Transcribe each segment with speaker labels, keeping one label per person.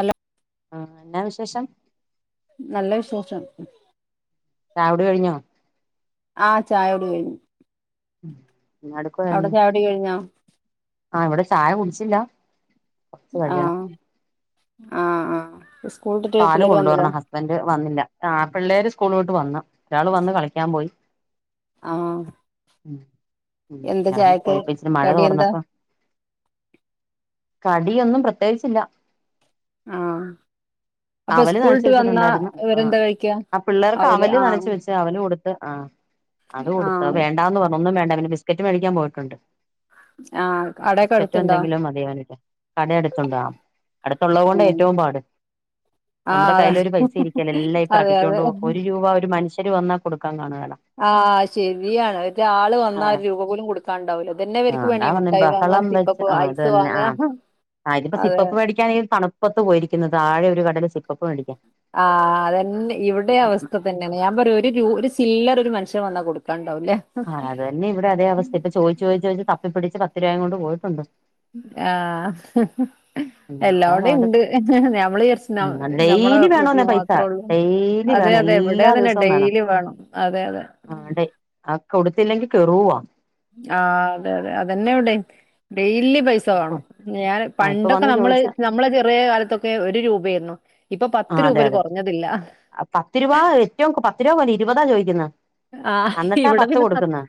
Speaker 1: അല്ല
Speaker 2: ആഹ് എന്നാ വിശേഷം
Speaker 1: നല്ല വിശേഷം
Speaker 2: ചായുടി കഴിഞ്ഞോ
Speaker 1: ആഹ് ചായുടി കഴിഞ്ഞ്
Speaker 2: എന്നാ
Speaker 1: അവിടെ
Speaker 2: എടുക്കുവായിരുന്നു
Speaker 1: ചായുടി കഴിഞ്ഞോ
Speaker 2: ആഹ് ഇവിടെ ചായ കുടിച്ചില്ല കുറച്ച് കഴിയണം
Speaker 1: ആഹ് ആഹ് ആഹ് സ്കൂളിട്ട്
Speaker 2: പാല്
Speaker 1: പിള്ളേര് വന്നില്ലേ
Speaker 2: കൊണ്ട്‌വര്ണം ഹസ്ബൻഡ് വന്നില്ല പിള്ളേര് സ്കൂള് വിട്ട് വന്ന് ഒരാള് വന്ന് കളിക്കാൻ പോയി
Speaker 1: ആഹ് എന്താ
Speaker 2: ഇറങ്ങി
Speaker 1: ചായക്ക്
Speaker 2: പോയപ്പോ ഇച്ചിരി മഴ
Speaker 1: കടി എന്താ
Speaker 2: തോർന്നപ്പൊ കടിയൊന്നും പ്രത്യേകിച്ചില്ല
Speaker 1: ആഹ് അപ്പൊ
Speaker 2: അവല് നനച്ച്
Speaker 1: സ്കൂളിട്ട് വന്നാ
Speaker 2: വെച്ചിട്ടുണ്ടായിരുന്നു ആഹ്
Speaker 1: ഇവരെന്താ കഴിക്കാ
Speaker 2: ആഹ് പിള്ളേർക്ക് അവല് നനച്ച് വെച്ച് അവല് കൊടുത്ത് ആഹ് അത് കൊടുത്ത് അത്
Speaker 1: ആഹ്
Speaker 2: വേണ്ടാന്ന് പറഞ്ഞ് ഒന്നും വേണ്ട പിന്നെ ബിസ്ക്കറ്റ് മേടിക്കാൻ പോയിട്ടുണ്ട്
Speaker 1: ആഹ് അവിടെക്കെ
Speaker 2: ബിസ്ക്കറ്റോ
Speaker 1: അടുത്തുണ്ടോ
Speaker 2: എന്തെങ്കിലും മതിയാവുലെ കട അടുത്തുണ്ടോ അടുത്തുള്ളത് കൊണ്ടാ
Speaker 1: ഉം
Speaker 2: ഏറ്റവും പാട്
Speaker 1: ആഹ്
Speaker 2: നമ്മുടെ
Speaker 1: അതാ
Speaker 2: കയ്യിലൊരു പൈസ ഇരിക്കേല എല്ലാം ഈ
Speaker 1: അതെ അതെ
Speaker 2: പെറുക്കിക്കൊണ്ട് പോകും ഒരു രൂപ ഒരു മനുഷ്യര് വന്നാ കൊടുക്കാൻ കാണുകേല
Speaker 1: ആഹ് ശരിയാണ് ഒരാള് വന്നാ
Speaker 2: ആഹ്
Speaker 1: ഒര് രൂപ പോലും കൊടുക്കാൻ ഉണ്ടാവൂല ഇത് തന്നെ
Speaker 2: ആഹ്
Speaker 1: ഇവര്ക്ക്
Speaker 2: അതാ
Speaker 1: പണി
Speaker 2: പറഞ്ഞെ
Speaker 1: മുട്ടായി വാങ്ങാ
Speaker 2: ബഹളം
Speaker 1: സിപ്
Speaker 2: വെച്ച്
Speaker 1: പ്പ്
Speaker 2: ആഹ് അത്
Speaker 1: ഐസ്
Speaker 2: തന്നെ
Speaker 1: വാങ്ങ
Speaker 2: ആഹ് ആഹ് ഇതിപ്പോ സിപ്പ് അപ്പ്‌ മേടിക്കാൻ ഈ തണുപ്പത്ത് പോയിരിക്കുന്നത് താഴെ ഒരു കടേല് സിപ്പ് അപ്പ്‌ മേടിക്കാൻ
Speaker 1: ആഹ് അതെന്നെ ഇവിടെയും അവസ്ഥ ഇത് തന്നെയാണ് ഞാൻ പറയും ഒരു രൂ ഒര് ചില്ലറ ഒരു മനുഷ്യൻ വന്നാ കൊടുക്കാൻ ഉണ്ടാവൂല്ല
Speaker 2: ആഹ് അത് തന്നെ ഇവിടെ അതേ അവസ്ഥ ഇപ്പൊ ചോദിച്ച് ചോദിച്ച് ചോദിച്ച് തപ്പിപ്പിടിച്ച് പത്ത് രൂപയും കൊണ്ട് പോയിട്ടുണ്ട്
Speaker 1: ആഹ്
Speaker 2: ഉം അതാ
Speaker 1: എല്ലോടെം
Speaker 2: പാട്
Speaker 1: ഇണ്ട് ഞമ്മള് വിചാരിച്ച്
Speaker 2: ഉം
Speaker 1: ഞമ്മളെ
Speaker 2: ഡെയിലി വേണോന്നേ
Speaker 1: വീട്ടിൽ
Speaker 2: പൈസ
Speaker 1: മാത്രേ ഉള്ളൂ
Speaker 2: ഡെയിലി
Speaker 1: അതെ
Speaker 2: വേണം
Speaker 1: അതെ ഇവിടെ
Speaker 2: എല്ലാ
Speaker 1: അത് തന്നെ
Speaker 2: ദിവസവും
Speaker 1: ഡെയിലി വേണം അതെ അതെ
Speaker 2: ആഹ് ഡെ ആഹ് കൊടുത്തില്ലെങ്കി കെറുവാ
Speaker 1: ആഹ് അതെ അതെ അതന്നെ ഇവിടെയും ഡെയിലി പൈസ സ വേണം ഞാൻ
Speaker 2: ആഹ് ഇപ്പൊ
Speaker 1: പണ്ടൊക്കെ
Speaker 2: വന്ന്
Speaker 1: നമ്മള്
Speaker 2: ചോദിച്ച
Speaker 1: നമ്മളെ ചെറിയ കാലത്തൊക്കെ ഒരു രൂപയേര്ന്നു ഇപ്പം പത്ത്
Speaker 2: ആഹ് അതെ
Speaker 1: രൂപയിൽ
Speaker 2: അതെ
Speaker 1: കുറഞ്ഞതില്ല
Speaker 2: പത്ത് രൂപ ഏറ്റവും പത്ത് രൂപ പോല ഇരുപതാ ചോയിക്കുന്നെ
Speaker 1: ആഹ്
Speaker 2: അന്നിട്ടാ
Speaker 1: ഇവിടെ
Speaker 2: പത്ത്
Speaker 1: പിന്നെ പ
Speaker 2: കൊടുക്കുന്ന്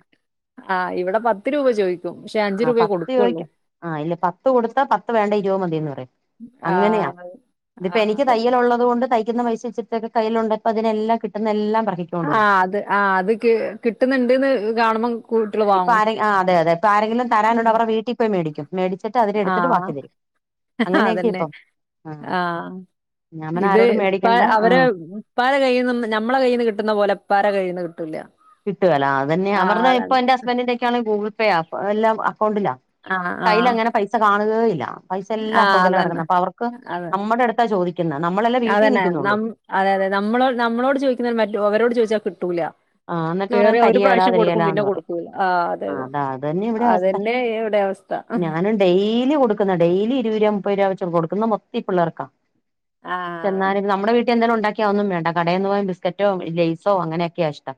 Speaker 1: ആഹ് ഇവിടെ പത്ത് രൂപ ചോദിക്കും പക്ഷെ അഞ്ചു
Speaker 2: ആ
Speaker 1: രൂപയേ
Speaker 2: പത്ത്
Speaker 1: കൊടുക്കുള്ളൂ
Speaker 2: ചോദിക്കും ആ അയില് പത്ത് കൊടുത്താ പത്ത് വേണ്ട ഇരുപത് മതിന്ന് പറയും അങ്ങനെയാ
Speaker 1: ആഹ്
Speaker 2: ഇതിപ്പോ
Speaker 1: ആഹ്
Speaker 2: എനിക്ക്
Speaker 1: അതന്നെ.
Speaker 2: തയ്യല് ഉള്ളത് കൊണ്ട് ത പൈസ [unintelligible] കയ്യിലുണ്ട് അപ്പം അതിനെല്ലാം കിട്ടുന്ന എല്ലാം പറ
Speaker 1: ആഹ് അത് ആഹ് അത് കിട്ടുന്നുണ്ട്ന്ന് കാണുമ്പൊ
Speaker 2: ഇപ്പൊ ആരെ ആഹ് അതെ അതെ ഇപ്പൊ ആരെങ്കിലും തരാനുണ്ടേ അവര്ടെ വീട്ടിൽ പോയി മേടിക്കും മടിച്ചിട്ട് അതിന്നെടുത്തിട്ട് ബാക്കി തരും അങ്ങനെയൊക്കെ
Speaker 1: അതെന്നെ
Speaker 2: ഇപ്പം ആ
Speaker 1: ആഹ
Speaker 2: ഞാൻ പിന്നെ
Speaker 1: ഇത്
Speaker 2: ആരോടും
Speaker 1: ഇപ്പ
Speaker 2: മേടിക്കണ്ട ആ
Speaker 1: അവരെ ഇപ്പാരെ കയ്യ്ന്ന് നമ്മളെ കയ്യിന്ന് കിട്ടുന്ന പോലെ ഇപ്പാരെ കയ്യിന്ന് കിട്ടില്ല
Speaker 2: കിട്ടുകേല അത് തന്നെ ഞാൻ പറഞ്ഞെ ഇപ്പൊ എന്റെ ഹസ്ബൻന്റിന്റെ ഒക്കെയാണേൽ ഗൂഗിൾ പേയാ എല്ലാം അക്കൗണ്ടിലാ
Speaker 1: ആഹ്
Speaker 2: കയ്യിൽ
Speaker 1: ആഹ്
Speaker 2: അങ്ങനെ പൈസ കാണുകേ ഇല്ല പൈസ എല്ലാം
Speaker 1: ആഹ്
Speaker 2: അക്കൗണ്ടിലാ
Speaker 1: അതന്നെ
Speaker 2: കെടക്ക്ന്നെ അപ്പൊ അവർക്ക്
Speaker 1: അതെ
Speaker 2: നമ്മുടെ അടുത്താണ് ചോദിക്കുന്നത് നമ്മളെല്ലെ വീട്ടിൽ
Speaker 1: അതന്നെ
Speaker 2: നിൽക്കുന്നുള്ളൂ
Speaker 1: നം അതെ അതെ നമ്മളോ നമ്മളോട് ചോദിക്കുന്നതാ മറ്റെ അവരോട് ചോദിച്ചാൽ കിട്ടൂല
Speaker 2: ആഹ് എന്നിട്ട് പറയും
Speaker 1: കേറിയ ഒരു
Speaker 2: തരികേല
Speaker 1: പ്രാവശ്യം കൊടുക്കും പിന്നെ
Speaker 2: തരികേലാന്ന് പറയും
Speaker 1: കൊടുക്കൂല ആഹ് അതെ അതെ
Speaker 2: അതാ അത് തന്നെ ഇവിടെ അവസ്ഥ
Speaker 1: അതന്നെ ഇവിടെ അവസ്ഥ സ്ഥ
Speaker 2: ഞാനും ഡെയിലി കൊടുക്കുന്ന ഡെയിലി ഇരുപൂപ മുപ്പത് രൂപ വെച്ച കൊടുക്കുന്ന മൊത്തി ഇ പിള്ളേർക്കാ
Speaker 1: ആഹ്
Speaker 2: ന്നാലും നമ്മുടെ വീട്ടിൽ എന്തൊലും ഉണ്ടാക്കിയാ ഒന്നും വേണ്ട കടേന്ന് പോവാൻ ബിസ്ക്കറ്റോ ലേസോ അങ്ങനെയൊക്കെയ ഇഷ്ടം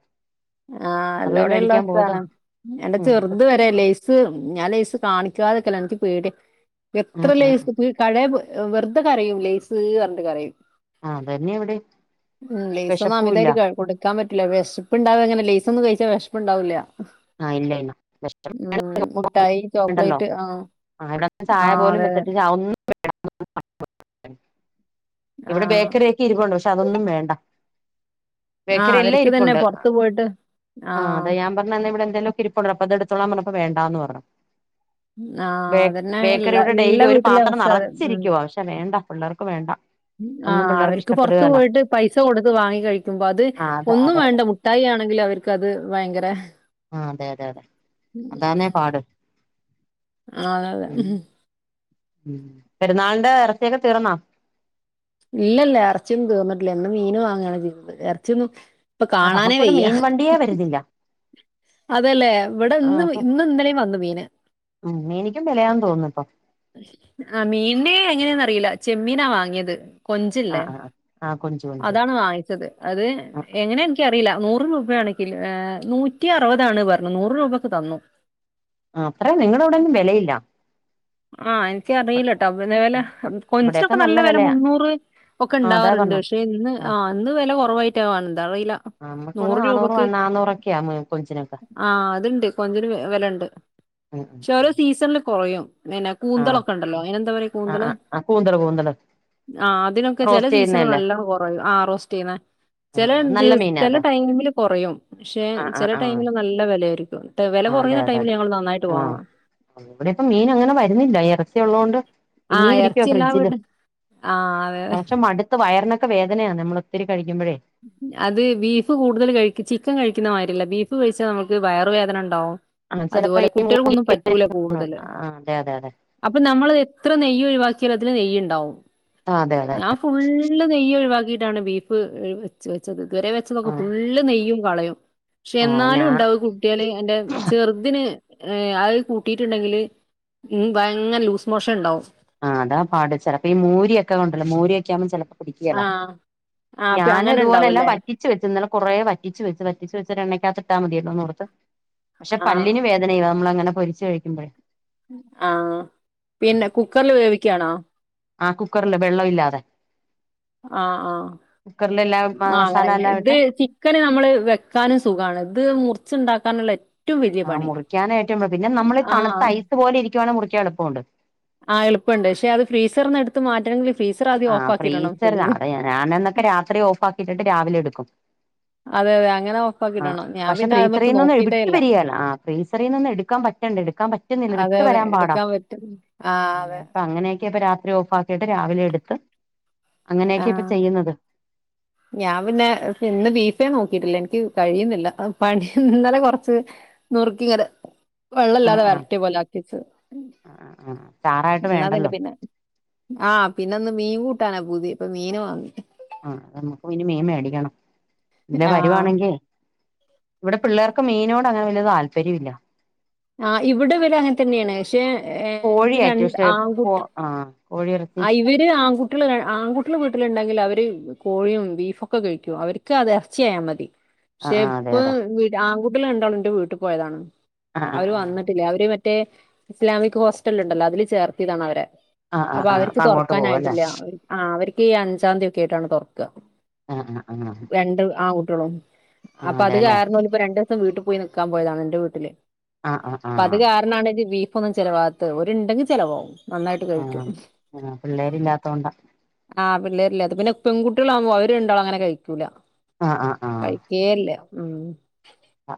Speaker 1: ആഹ്
Speaker 2: അത് പോയി
Speaker 1: അല്ലോടെ ഉള്ള
Speaker 2: മേടിക്കാൻ പോവൂട്ടോ
Speaker 1: അവസ്ഥാണ് എന്റെ
Speaker 2: ഉം
Speaker 1: ചെറുത് വ ലേസ് ഞാൻ ലൈസ് കാണിക്കാതൊക്ക എനിക്ക് പേടി എത്ര
Speaker 2: ആഹ് ആഹ്
Speaker 1: ലൈസ് കടയ് വെറുതെ കരയും ലേസ് പറഞ്ഞിട്ട് കരയും
Speaker 2: ആഹ് അതന്നെ ഇവിടേം
Speaker 1: ഉം ലേസ് ഒന്ന്
Speaker 2: വെശപ്പും ഇല്ല
Speaker 1: അമിതായിട്ട് കേട്ക്കൂ ൻ പറ്റില്ല വിശപ്പ് ഇണ്ടാവ അങ്ങെ ലൈസ് ഒന്നും കഴിച്ചാ വിഷപ്പ്ണ്ടാവില്ല
Speaker 2: ആഹ് ഇല്ല ഇല്ല വെശപ്പ്
Speaker 1: ഉം മുട്ടായി
Speaker 2: വേണ്ടല്ലോ
Speaker 1: ചോക്ലേറ്റ് ആഹ്
Speaker 2: ആഹ് ഇവിടെന്ന് ചായ
Speaker 1: ആഹ്
Speaker 2: പോലും
Speaker 1: അതെ
Speaker 2: വെച്ചിട്ട് [unintelligible] [inaudible] ഇവിടെ
Speaker 1: ആഹ്
Speaker 2: ബേക്കറി ഒക്കെ ഇരിക്കണ്ടോ പക്ഷെ അതൊന്നും വേണ്ട
Speaker 1: ആഹ്
Speaker 2: ബേക്കറി എല്ലാം
Speaker 1: അവർക്ക് തന്നെ
Speaker 2: ഇരിപ്പുണ്ട്
Speaker 1: പൊറത്ത് പോയിട്ട്
Speaker 2: ആഹ് അതാ ഞാൻ എന്ന ഇവിടെ എന്തെലും കരിപ്പുണ്ട് അപ്പ അത് എടുത്തോ നമ്മപ്പ വേണ്ടന്ന് പറഞ്ഞ്
Speaker 1: ആഹ്
Speaker 2: ബേ
Speaker 1: അതന്നെ എല്ലാ
Speaker 2: ബേക്കറിയുടെ ഡെയിലി
Speaker 1: എല്ലാ
Speaker 2: ഒരു
Speaker 1: വീട്ടിലെ
Speaker 2: പാത്രം
Speaker 1: അവസ്ഥ അത് ഉം
Speaker 2: നിറച്ചിരിക്കുവ പക്ഷെ വേണ്ട പിള്ളേർക്ക്ും വേണ്ട ഒന്നും
Speaker 1: ആഹ്
Speaker 2: പിള്ളേർക്ക്
Speaker 1: അവർക്ക് പുറത്ത്
Speaker 2: ഇഷ്ടപ്പെടുകേല
Speaker 1: പോയിട്ട് പൈസ കൊടുത്ത് വാങ്ങി കഴിക്കുമ്പോ അത്
Speaker 2: ആ അതെ
Speaker 1: ഒന്നും
Speaker 2: അതെ അതെ
Speaker 1: വേണ്ട മു ട്ടായി ആണെങ്കിൽ അവർക്ക്ത് ഭയങ്കര
Speaker 2: ആ അതെ അതെ അതെ അതാന്നേ പാട്
Speaker 1: [unintelligible]
Speaker 2: പിന്നെ
Speaker 1: ആഹ്
Speaker 2: ഉം പെരുന്നാളിന്റെ ഇറച്ചൊക്കെ തീർന്നോ
Speaker 1: ഇല്ലല്ല ഇറച്ചിയൊന്നും തീന്നിട്ടില്ല എന്ന് മീൻ വാങ്ങയാണ് ചെയ്തുന്നത് ഇറച്ചിയൊന്നും ഇപ്പൊ കാണാനേ വെയ്യ
Speaker 2: അടിയ വരുന്നില്ല
Speaker 1: അതെല്ലേ ഇവിടെ
Speaker 2: ആ
Speaker 1: ഇന്ന്
Speaker 2: ഇപ്പം
Speaker 1: ഇന്ന് ഇന്നലെയും വന്നു മീന്
Speaker 2: ഉം മീനിക്കും വിലയാെന്ന് തോന്നുന്നു ഇപ്പോ
Speaker 1: ആഹ് മീനെ എങ്ങനെയന്ന അറിയില്ല ചെമ്മീനാ വാങ്ങിയത്
Speaker 2: ആ
Speaker 1: കൊഞ്ചല്ലേ
Speaker 2: ആ ആ കൊഞ്ച് കൊഞ്ച്
Speaker 1: അതാണ് വാങ്ങിച്ചത് അത്
Speaker 2: ആ
Speaker 1: എങ്ങനെ എനിക്കറിയില്ല നൂറ് രൂപയാണെങ്കിലോ നൂറ്റി അറുപത ആണ് പറഞ്ഞു നൂറ് രൂപക്ക് തന്നു
Speaker 2: ആഹ് അത്ര നിങ്ങള അവിടന്നും വിലയില്ല
Speaker 1: ആഹ് എനിക്ക് അറിയില്ലട്ടോ പിന്ന വില
Speaker 2: ഇവിടെയൊക്കെ
Speaker 1: കൊഞ്ചിനൊക്കെ നല്ല വില
Speaker 2: വിലയാ
Speaker 1: മുന്നൂറ് ഒക്കെ
Speaker 2: ആ അതാ
Speaker 1: ഉണ്ടാവാറുണ്ട്
Speaker 2: പറഞ്ഞെ
Speaker 1: പക്ഷെ ഇന്ന്
Speaker 2: ആ
Speaker 1: ആഹ് ഇന്ന് വില കുറവായിട്ടാവാണ് എന്താ അറിയില്ല നൂറ് രൂപക്ക്
Speaker 2: ന്നുറക്ക കൊഞ്ചിനൊക്കെ
Speaker 1: ആഹ് അത്ണ്ട് കൊഞ്ചിന് വിലുണ്ട്
Speaker 2: ഉം ഉം ഉം
Speaker 1: സീസണില് കുറയും പിന്നെ കൂന്തളൊക്കെ ഉണ്ടല്ലോ അനെ എന്താ പറയാ
Speaker 2: ആ
Speaker 1: കൂന്തല്
Speaker 2: ആ കൂന്തള് കൂന്തള്
Speaker 1: ആഹ് അതിനൊക്കെ ചെല
Speaker 2: റോസ്റ്റ്
Speaker 1: സീസൺ
Speaker 2: ചെയ്യുന്നതല്ലേ
Speaker 1: നല്ല കുറായി ആഹ് റോസ്റ്റ് ചെയ്യുന്ന ചില
Speaker 2: ആഹ്
Speaker 1: ദ
Speaker 2: നല്ല മീനാ
Speaker 1: ചില
Speaker 2: അത്
Speaker 1: ടൈമില് കുറയും പക്ഷെ
Speaker 2: ആഹ് ആഹ്
Speaker 1: ചില
Speaker 2: ആഹ്
Speaker 1: ടൈമില് നല്ല നല്ല വില ആയിരിക്കും വില കുറുന്ന ടൈമിൽ ഞങ്ങൾ നന്നായിട്ട് വാങ്ങും
Speaker 2: ഇവ്ടെപ്പം മീൻ അങ്ങനെ വര്ന്നില്ല എറ ഇറച്ചിള്ളകൊണ്ട്
Speaker 1: ആഹ്
Speaker 2: ഇനിയുംഇരിക്കുവാ
Speaker 1: എറച്ചി എല്ലാ
Speaker 2: ഫ്രിഡ്ജില്
Speaker 1: വീട്ടിലും ആഹ്
Speaker 2: മനുഷൻ മട് വയറിനൊക്ക വേദനയാന്നെ നമ്മളൊത്തിരി കഴിക്കുമ്പഴേ.
Speaker 1: അത് ബീഫ് കൂടുതല് കഴി ചിക്കൻ കഴിക്കുന്നമാരില്ല ബീഫ് കഴിച്ചാൽ നമക്ക് വയറ് വേദനണ്ടാവും.
Speaker 2: ആഹ് ചിലപ്പോ
Speaker 1: അതുപോലെ
Speaker 2: ഈ
Speaker 1: കുട്ടികൾക്കൊന്നും പറ്റൂല കൂടുതല്
Speaker 2: ആഹ് അതെ അതെ അതെ
Speaker 1: അപ്പ നമ്മളത് എത്ര നെയ്യ് ഒഴിവാക്ക്യാലും നെയ്യുണ്ടാവും.
Speaker 2: ആഹ് അതെ അതെ
Speaker 1: ഞാൻ ഫുള്ള് നെയ്യ് ഒഴിവാക്കിട്ടാണ് ബീഫ് വച്ച് വെച്ചത് ഇത് വരെ വെച്ചതൊക്കെ
Speaker 2: ആഹ്
Speaker 1: ഫുള്ള് നെയ്യും. കളയും പഷേ
Speaker 2: ആഹ് ഞാ
Speaker 1: എന്നാലും ഉണ്ടാവും. കു കുട്ടിയാല് എന്റെ ചെറുതിന് അത് കൂട്ടിട്ട്ണ്ടങ്കില് ഭയങ്കര ലൂസ് മോഷൻ ണ്ടാവും.
Speaker 2: ആഹ് അതാ പാട് ചെലപ്പോ ഈ മൂരി ഒക്കെണ്ടല്ലോ മൂരിയൊക്കൊമ്പോ ചെല പിടിക്കെല
Speaker 1: ആഹ് ആഹ് അപ്പ
Speaker 2: ഞാന്
Speaker 1: അങ്ങനെ
Speaker 2: ഇത്പോലെ
Speaker 1: ഉണ്ടാവുംല്ലേ?
Speaker 2: എല്ലാംപറ്റി ച്ച് വെച്ച് ഇന്നലെകൊറേ വറ്റിച്ച് വെച്ചു വറ്റിച്ചുവെച്ചത് എണ്ണക്കാത്തിട്ടാമതിയല്ലോന്ന് ഓർത്ത് പഷേ
Speaker 1: ആഹ്
Speaker 2: പല്ലിന് വേ അങ്ങനെ ചെയ്യുവോ നമ്മളങ്ങനെ പൊരിച്ച് കഴിക്കുമ്പഴെ.
Speaker 1: ആഹ് പിന്നെ കുക്കറില് വേവിക്ക്യാണോ?
Speaker 2: ആഹ് കുക്കറില് വെള്ളം ഇല്ലാതെ.
Speaker 1: ആഹ് ആഹ്
Speaker 2: കുക്കറിലെല്ലാം
Speaker 1: ആഹ്
Speaker 2: മസാല
Speaker 1: അങ്ങന്നെ
Speaker 2: എല്ലാം ഇട്ട്
Speaker 1: ഇത് ചി ക്കന് നമ്മള് വെക്കാനും സുഖാണ് ഇത് മുറിച്ച്ണ്ടാക്കാന്ള്ളെ
Speaker 2: ആഹ് മുറിക്കാനാ ഏറ്റവും പാട് പിന്നെ നമ്മള്
Speaker 1: ആ
Speaker 2: തണ്ത്ത ഐസ്പോലരിക്കവാണെ മുറിക്കാള്പ്പംണ്ട്.
Speaker 1: ആഹ് എള്പ്പണ്ട് ഷേ അത് ഫ്രീസറിന്ന് എട്ത്ത് മാറ്റണങ്കിലി
Speaker 2: ആഹ് ഫ്രീസലാഅവ്ടെ ഞാനന്നൊക്കെ രാത്രി ഓഫാക്കിട്ടിട്ട് രാവിലെ എട്ക്കും.
Speaker 1: അതെ അതെ അങ്ങനെ ഓഫ്
Speaker 2: ആഹ്
Speaker 1: ആക്കിയിടണം. ഞാൻ
Speaker 2: പഷേ
Speaker 1: പിന്നെ അതിലേക്ക്
Speaker 2: ഫ്രീസറിനൊന്ന്
Speaker 1: നോക്കിയിട്ടേ
Speaker 2: വിട്
Speaker 1: ഇല്ല.
Speaker 2: വരിയേലോ ആഹ് ഫ്രീസറിനൊന്ന് എട്ക്കാൻ പറ്റ റ്റൊണ്ട് എട്ക്കാൻ പറ്റുന്നില്ല വിട്ട് വരാൻ പാടാ.
Speaker 1: ആഹ് അതെ
Speaker 2: പ്പ അങ്ങനെയൊക്കെ ഇപ്പ രാത്രി ഓഫാക്കിയിട്ട് രാവിലെ എട്ത്ത്
Speaker 1: ആ
Speaker 2: അങ്ങനെയൊക്കെ ഇപ്പ ചെയ്യ്ന്നത്.
Speaker 1: ഞാൻ പിന്നെ ഇന്ന് ബീഫേനോക്കിട്ടില്ല എനിക്ക് കഴിയ്ന്നില്ല പണി ഇന്നലെ കൊറച്ച് നുറുക്കിങ്ങനെ
Speaker 2: ആ
Speaker 1: വെള്ളല്ലാതെ
Speaker 2: ആ
Speaker 1: വരട്ടിയപോലാക്കിച്ച്
Speaker 2: ആ ആ ചാറായിട്ട്
Speaker 1: ഇന്നതൊണ്ട്
Speaker 2: വേണ്ടല്ലോ
Speaker 1: പിന്നെ. ആഹ് പിന്നെ ന്ന് മീൻ കൂട്ടാനാപൂതി പ്പ മീന് വാങ്ങി.
Speaker 2: ആഹ് നമുക്കും നി മീൻ മേടിക്കണം ഇതിലെ
Speaker 1: ആ
Speaker 2: വരുവാണെങ്കി ഇവടെ പിള്ളാർക്ക് മീനോട് അങ്ങനെ വല്യ താല്പര്യംല്ല.
Speaker 1: ആഹ് ഇവ്ടെ ഇവര് അങ്ങനെ തന്നെയാണ് ഷേ ഇന്റെ
Speaker 2: കോഴിയാ ഏറ്റവും
Speaker 1: രണ്ട്
Speaker 2: ഇഷ്ടം
Speaker 1: ആൺകു
Speaker 2: കോ ആ കോഴിയിറച്ചി
Speaker 1: ആഹ് ഇവ ര് ആൺകുട്ടികള് ര ആൺകുട്ടികള് വീട്ടില്ണ്ടങ്കില് അവര് കോഴിയും ബീഫൊക്കെ കഴിക്കും അവര്ക്ക് അത് എറച്ചിയായമതി.
Speaker 2: ആ
Speaker 1: ഷേ
Speaker 2: ആ അതെ
Speaker 1: ഇപ്പം
Speaker 2: അതെ
Speaker 1: വീ ആൺകൂട്ടികള് രണ്ടാളും ന്റെ വീട്ട്പോയതാണ്.
Speaker 2: ആ ആ
Speaker 1: അവര്
Speaker 2: ആ
Speaker 1: വന്നിട്ടില്ല അവര് മറ്റേ ഇസ്ലാമിക് ഹോസ്റ്റല്ണ്ടല്ലോ അതില് ചേർത്തിയതാണ് അവരെ.
Speaker 2: ആഹ് ആഹ്
Speaker 1: അപ്പൊ
Speaker 2: ആഹ്
Speaker 1: അവര്ക്ക്
Speaker 2: അങ്ങോട്ട് പോവല്ലേ
Speaker 1: തൊറക്കാനായ്ട്ടില്ല. ആഹ് അവര്ക്ക് ഈ അഞ്ചാം തി ഒക്കൊയായിട്ടാണ് തൊറക്ക
Speaker 2: ആഹ് ആഹ് ആഹ്
Speaker 1: രണ്ട് ആൺ കുട്ടികളും.
Speaker 2: ആഹ്
Speaker 1: അപ്പൊ അത്
Speaker 2: അതെല്ലേ
Speaker 1: കാരണം ഓലിപ്പോ രണ്ട് ദിവസം വീട്ട്പോയി നിക്കാൻ പോയതാണ് ന്റെ വീട്ട്ല്.
Speaker 2: ആഹ് ആഹ് ആഹ്
Speaker 1: പ്പത്
Speaker 2: ആഹ്
Speaker 1: കാരണാണ് ദ് ബീഫ് ഒന്നും ചെലവാവത്തത് ഓര്ണ്ടങ്കി ചെലവാവും. നന്നായിട്ട് കഴിക്കും.
Speaker 2: ആഹ് പിള്ളേരില്ലാത്തോണ്ടാ
Speaker 1: ആഹ് പിള്ളാരില്ലാത്തെ പിന്നെ പെൺകുട്ടികളാവ്മ്പോ അവര് രണ്ടാളും അങ്ങനെ കഴിക്കൂല
Speaker 2: ആഹ് ആഹ്
Speaker 1: കഴി ഏഹ് ല്ല ഉം
Speaker 2: അ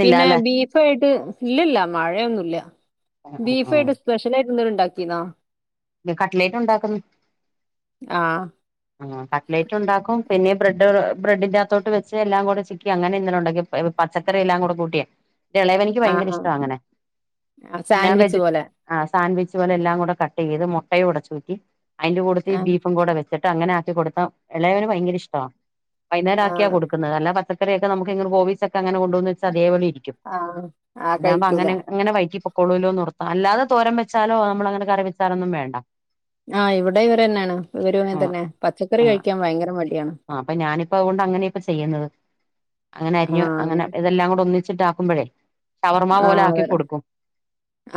Speaker 1: പിന്നെ ബീഫായിട്ട് ഇല്ലല്ല മഴയൊന്നുല്ല
Speaker 2: ആഹ് ആഹ്
Speaker 1: ബീഫായിട്ട് സ്പെഷലായിട്ട് എന്തെലുംണ്ടാക്കിന്നോ?
Speaker 2: കട്ട്ലേറ്റ് ഒണ്ടാക്കും.
Speaker 1: ആഹ്
Speaker 2: ആഹ് കട്ട്ക്ലേറ്റ് ഒണ്ടാക്കും പിന്നെ ബ്രെഡ് ബ്രഡിനാത്തോട്ട് വെ ച്ചാ എല്ലാം കൂടി ചിക്കി അങ്ങനെ ഇന്നലെ ഉണ്ടകി പച്ചക്കറി എല്ലാം കൂട്ടിയേ എൻ്റെ എളായാനിക്ക് ബയങ്കര
Speaker 1: ആഹ് ആഹ്
Speaker 2: ഇഷ്ടാവാ അങ്ങനെ
Speaker 1: ആഹ്
Speaker 2: നാൻ വെ
Speaker 1: സാൻവിച്ച് പോലെ
Speaker 2: ആഹ് സാൻവിച്ച് പോലെ എല്ലാം കൂടെ കട്ട് ചെയ്ത് മുട്ടയും ഒടച്ച് ചൂറ്റി അയിന്റെ കൂടെത്തി
Speaker 1: ആഹ്
Speaker 2: ബീഫും കൂടെ വെ ച്ചിട്ട് അങ്ങനെ ആക്കി കൊട്ത്താ എളയവന് ബയങ്കര ഇഷ്ട്യാ വൈന്നോരം ആക്കിയാ
Speaker 1: ആഹ്
Speaker 2: കൊട്ക്കാന്നത് അല്ലാ പ പച്ചക്കറി ഒക്കെ നമുക്ക് ഇങ് ഗോവിസ് അങ്ങനെ കൊണ്ട് വന്നാ വെച്ചാ അതേപ്പോലെ ഇരിക്കും
Speaker 1: ആഹ് ആഹ്
Speaker 2: ഇതാകുമ്പോ
Speaker 1: കഴിക്കൂല
Speaker 2: അങ്ങനെ അങ് വയതി പോക്കും കൊളളുല്ലൊന്ന് ഓർത്താ അല്ലതെ തോരൻ വെച്ചാല്ലോ നമ്മള് അങ്ങനെ കറി വച്ചാലൊന്നും വേണ്ട
Speaker 1: ആഹ് ഇവടെ ഇവർ തന്നെയാണ് ഇവര് അങ്ങനെ
Speaker 2: ആഹ്
Speaker 1: തന്നെ പച്ചക്കറി
Speaker 2: ആഹ്
Speaker 1: കയിക്കാൻ ബയങ്കര മടിയാണ്
Speaker 2: ആഹ് അപ്പേ ഞാന് ഇപ്പേ അത് കൊണ്ട് അങ്ങനെക്കേ ചെയ്യന്നത് അങ്ങനെ അഞ്ഞ്
Speaker 1: ആഹ്
Speaker 2: അങ്ങനെ ഇതെല്ലാം കൂടെ ഒന്നി വെച്ചിട്ടാക്ക്മ്പോഴേ ഷവർമ പോലെ
Speaker 1: ആഹ്
Speaker 2: ആക്കി
Speaker 1: അതെല്ലേ
Speaker 2: കൊട്ക്കും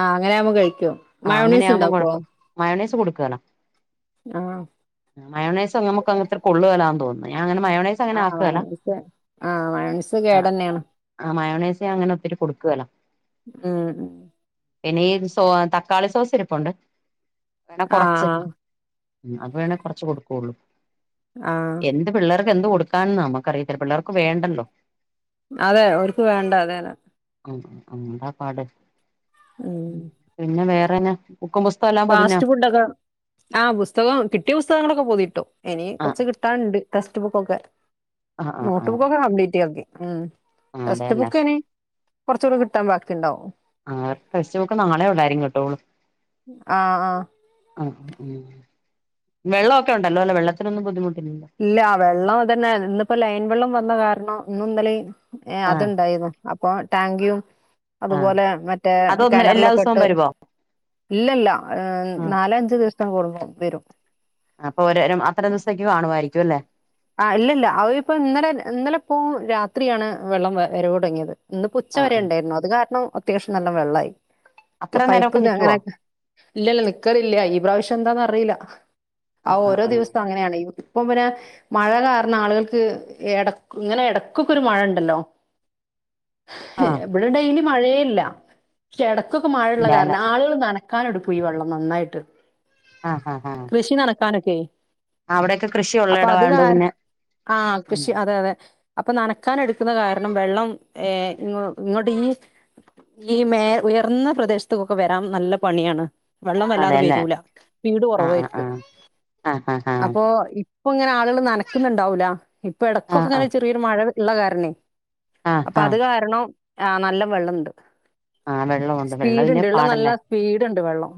Speaker 1: ആഹ് അങ്ങനെ ആവ്മ്പോ കഴിക്കും മയണോസ്
Speaker 2: അങ്ങനെയാകുമ്പം
Speaker 1: ഇണ്ട്യാക്കോ
Speaker 2: കൊഴപ്പം മയോണൈസ്
Speaker 1: ആഹ്
Speaker 2: മയോണേസ് നമ്മക്ക് അങ്ങനത്തെ കൊള്ളു വേലാന്ന് തോന്നു ന്നുഞാ അങ്ങനെ മയോണേ
Speaker 1: ആഹ് [unintelligible] ആഹ് മയോണേസ്
Speaker 2: ആഹ്
Speaker 1: കേട്ന്ന്യാണ്
Speaker 2: ആഹ് മയോണേസ് അങ്ങനെ ഒത്തിരി കൊട്ക്കേല്ല
Speaker 1: ഉം ഉം
Speaker 2: എനി ഈ സോ തക്കാളി സോസ് ഇര്പ്പോണ്ട് [unintelligible] കൊറച്ച്
Speaker 1: ആഹ് ആഹ്
Speaker 2: അത് വേണേ കൊറച്ച് കൊടുക്കുകേള്ളൂ
Speaker 1: ആഹ്
Speaker 2: ൻ്റെപിള്ളേർക്ക് എന്ത് കൊടുക്ക്യാന്നാ നമ്മക്ക് അറിയത്തില്ലാ പിള്ളേർക്ക് വേണ്ടല്ലോ
Speaker 1: അതെ ഓൽക്ക് വേണ്ടാ അത് തന്നെ
Speaker 2: ഉം
Speaker 1: ഉം
Speaker 2: [unintelligible] പിന്നെ വേറെന്നാ ബക്കും പുസ്തകല്ലാ
Speaker 1: ഫാസ്റ്റ് ഫുഡ് ഒക്കെ ആഹ് പുസ്തകം കിട്ടിയ പുസ്തകങ്ങളൊക്കെ പൊതിട്ടു ഇനി
Speaker 2: ആ
Speaker 1: കൊറച്ച് കി ട്ടാൻ ണ്ട് ടെസ്റ്റ് ബുക്കൊക്കെ
Speaker 2: ആ ആ
Speaker 1: നോട്ട്
Speaker 2: ആ
Speaker 1: ബുക്കൊക്കെ കംപ്ലീറ്റ് ആക്കി ഉം
Speaker 2: ആ
Speaker 1: ടെക്സ്റ്റ്
Speaker 2: അതെയല്ലേ
Speaker 1: ബുക്ക് ഇനി കൊറച്ചുകൂടി കിട്ടാൻ ബാക്കി ഇണ്ടാവും
Speaker 2: ആഹ് ടെക്സ്റ്റ്‌ ബുക്ക് നാളെ ഒള്ളരിക്കും [unintelligible]
Speaker 1: ആഹ് ആഹ്
Speaker 2: ആഹ് ഉം വെള്ളൊക്കെ ഒണ്ടല്ലോ അല്ലോ വെള്ളത്തിനൊന്നും ബുദ്ധിമുട്ട്
Speaker 1: ഇല്ല വെള്ളം അത് തന്നെ ഇന്ന് ഇപ്പോ ലൈൻ വെള്ളം വന്നാ കാരണം ഇന്നും ഇന്നലെയും യെ
Speaker 2: ആ
Speaker 1: അത് ഇണ്ടാരുന്നു അപ്പൊ ടാങ്കിലും
Speaker 2: ആ
Speaker 1: അതുപോലെ മറ്റേ
Speaker 2: അതൊന്ന് എല്ലാ
Speaker 1: കേനറിലൊക്കെ
Speaker 2: ദിവസവും
Speaker 1: ഇട്ട്
Speaker 2: വരുവോ
Speaker 1: ഇല്ല ല്ല
Speaker 2: ആ
Speaker 1: നാലേ അഞ്ച് ദിവസാത്തെ കുട്മ്പോം വേരും
Speaker 2: അപ്പൊ ഓര് അത്ര ദിവസത്തേക്ക് കാണു ആയിരിക്കും അല്ലേ
Speaker 1: ആഹ് ഇല്ല ല്ല അവര് ഇപ്പോ ഇന്നലെ ഇന്നലെ പോ രാത്രിയാണ് വെള്ളം വേരവ് തൊടങ്ങിയത് ഇന്ന് പ്പം ഉച്ചാ
Speaker 2: ആ
Speaker 1: വെരെ
Speaker 2: ആ
Speaker 1: ഒണ്ടാരുന്നു അത് കാരണം അത്യാവിശ്യം നല്ല വെള്ളായി
Speaker 2: അത്ര
Speaker 1: പൈപ്പ്
Speaker 2: നേരമൊക്കെ
Speaker 1: അങ്ങനെ
Speaker 2: നിക്കുവോ
Speaker 1: ഇല്ല ല്ല നിക്കറില്ല ഈ പ്രാവശ്യം എന്താന്നാ റിയില്ല
Speaker 2: ആ
Speaker 1: ആഹ്
Speaker 2: ആ
Speaker 1: ഓരോ
Speaker 2: ആ
Speaker 1: ദിവസം അങ്ങനെയാണ് ഈ [unintelligible] മഴ കാരണം ആള്കക്ക് എട് ഇങ്ങനെ ഇടക്ക്യക്കൊ ഒര് മഴ ഒണ്ടല്ലോ
Speaker 2: ആ
Speaker 1: ഇവടെ ഡെയ്ലി മഴയേയില്ല പശേ എടക്കൊക്കെ മഴയുള്ള
Speaker 2: ഇല്ല അല്ല
Speaker 1: കാരണം ആളുകള് ന ക്കാൻ എടുക്കും ഈ വെള്ളം നന്നായിട്ട്
Speaker 2: ആഹ് ആഹ് ആഹ്
Speaker 1: ക്യഷി നടക്കാനൊക്കെ
Speaker 2: അവടെയക്കെ കൃഷിയൊള്ള എടവാ
Speaker 1: [unintelligible] ആഹ് ക്യഷി അതെ അതെ അപ്പൊ നനാക്കാൻ എട്ക്ക്ന്നാ കാരണം വെള്ളം യെ ഇങ്ങോട്ട് ഇങ്ങോട്ട് ഈ ഈ മേ ഉയർന്നാ പ്രദേശത്തക്കൊക്കെ വേരാൻ നല്ലാ പണിയാണ് വെള്ളം വല്ലാതെ
Speaker 2: അതെല്ലേ
Speaker 1: വേരൂല്ലാ സ്പീട്
Speaker 2: ആ ആ ആ
Speaker 1: കൊറവായിരിക്കും
Speaker 2: ആ ആ ആ
Speaker 1: അപ്പൊ ഇപ്പൊ ഇങ്ങനെ ആ നനക്ക്ന്നുണ്ടാവൂല്ലാ ഇപ്പേ എടക്കൊക്കെ
Speaker 2: ആഹ്
Speaker 1: ങ്ങനെ
Speaker 2: ആഹ്
Speaker 1: ചെറിയൊര് മഴ ള്ള കാരണേ
Speaker 2: ആഹ്
Speaker 1: അപ്പൊ അത്
Speaker 2: ആഹ്
Speaker 1: കാരണം ആഹ് നല്ലാ വെള്ളം ണ്ട്
Speaker 2: ആഹ് വെള്ളമുണ്ട്
Speaker 1: സ്പീഡ്
Speaker 2: വെള്ളമില്ലേ
Speaker 1: ണ്ട് ള്ളത നല്ലാ സ്പീഡ് ഒണ്ട് വെള്ളം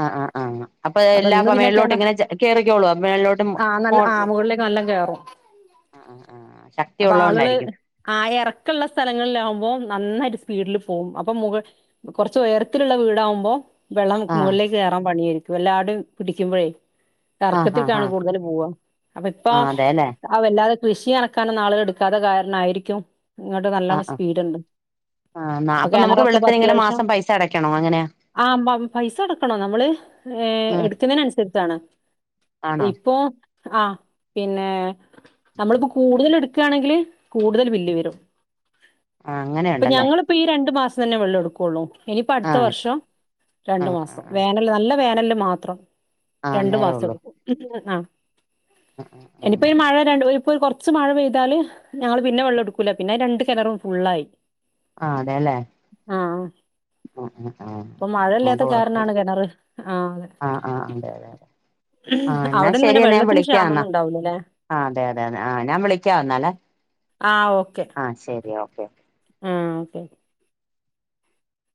Speaker 2: ആ ആ ആ ആ അപ്പത്
Speaker 1: അപ്പൊ
Speaker 2: എല്ലാ
Speaker 1: ഇന്ന്
Speaker 2: അപ്പ
Speaker 1: പിന്നെ
Speaker 2: മേളിലോട്ട്
Speaker 1: കേന
Speaker 2: ഇങ്ങനെ ക കേറിക്കോള്ളൂ മേളിലോട്ട്.
Speaker 1: ആ നല്ല ആ മുകളിലേക്ക് നല്ലോം കേറും
Speaker 2: ആഹ് ആഹ് ആഹ് ശക്തി
Speaker 1: അപ്പൊ ആളള് കൾ.
Speaker 2: ഉള്ളോണ്ടായിരിക്കും
Speaker 1: ആ ഇറക്കള്ള സ്ഥലങ്ങളിലാവുമ്പോൾ നന്നായിട്ട് സ്പീഡില് പോകും അപ്പൊ മുക- കൊറച്ച് ഉയരത്തിലുള്ള വീടാവുമ്പോ? വെള്ളം
Speaker 2: ആഹ്
Speaker 1: മുകളിലേക്ക് കയറാൻ പണിയായിരിക്കും എല്ലാടും പിടിക്കുമ്പോഴേ.
Speaker 2: ആഹ് ആഹ്
Speaker 1: എർക്കത്തിക്കാണ്
Speaker 2: ആഹ്
Speaker 1: കൂടുതല് പോവുക അപ്പൊ ഇപ്പ.
Speaker 2: ആഹ് അതെല്ലേ
Speaker 1: അ വല്ലാതെ കൃഷി നനക്കാനൊന്നും ആളുകൾ എടുക്കാതെ കാരണമായിരിക്കും. ഇങ്ങോട്ട് നല്ല
Speaker 2: ആഹ് ആഹ്
Speaker 1: സ്പീഡ്ണ്ട്
Speaker 2: ആഹ്
Speaker 1: അപ്പൊ കെണ റൊക്കെ ഇപ്പോ അത്യാവശ്യം.
Speaker 2: അങ്ങനാ.
Speaker 1: ആ പൈസ കൊടുകണം നമ്മള്
Speaker 2: ആഹ്
Speaker 1: എടുക്കുന്നതിനനുസരിച്ച്. [unintelligible]
Speaker 2: ആണോ
Speaker 1: ഇപ്പോ ആഹ പിന്നെ. നമ്മളിപ്പോ കൂടുതൽ എടുക്കുകയാണെങ്കിൽ കൂടുതൽ ബില്ല് വരും.
Speaker 2: ആ അങ്ങനെയുണ്ടല്ലേ?
Speaker 1: ഞങ്ങളിപ്പോ ഇപ്പൊ ഈ രണ്ടു മാസം തന്നെ വെള്ളം എടുക്കുള്ളൂ. ഇനിപ്പോ അടുത്ത
Speaker 2: ആഹ്
Speaker 1: വർഷം രണ്ടു
Speaker 2: ആഹ് ആഹ്
Speaker 1: മാസം.
Speaker 2: ആഹ്
Speaker 1: വേനല് നല്ല വേനല് മാത്രം
Speaker 2: ആഹ്
Speaker 1: രണ്ടു
Speaker 2: അന്നേരം
Speaker 1: മാസം
Speaker 2: ഉള്ളൂ
Speaker 1: എടുക്കും. ആ
Speaker 2: ആഹ് ആഹ് ആഹ്
Speaker 1: എനിപ്പൊ ഈ മഴ രണ്ട്. ഇപ്പൊ കുറച്ച് മഴ പെയ്താല് ഞങ്ങള് പിന്നെ വെള്ളം എടുക്കൂല. പിന്നെ രണ്ട് കിണറും ഫുള്ളായി.
Speaker 2: ആ അതെല്ലേ.
Speaker 1: ആ ഇപ്പൊ മഴ ഇല്ലാത്ത കാരണാണ്
Speaker 2: [unintelligible]
Speaker 1: കിണറ് ആ അതെ
Speaker 2: ആഹ് എന്നാ
Speaker 1: അവിടുന്ന് പിന്നെ
Speaker 2: ശരിയെന്നാ ഞാൻ
Speaker 1: വെള്ളത്തിന്
Speaker 2: വിളിക്ക. ള
Speaker 1: ക്ഷാമൊന്നും ഉണ്ടാവൂലല്ലേ
Speaker 2: അതെ അതെ അതെ ആ ഞാൻ വിളിക്കാം ന്നാല്ലേ.
Speaker 1: ആ ഓക്കെ
Speaker 2: ആ ശരി ഓക്കെ.
Speaker 1: ആ ഓക്കെ.